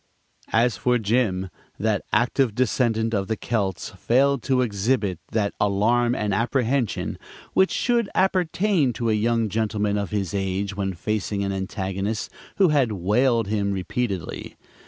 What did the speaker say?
As for Jim, that active descendant of the Celts failed to exhibit that alarm and apprehension which should appertain to a young gentleman of his age when facing an antagonist who had "whaled" him repeatedly.